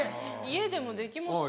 家でもできますよ。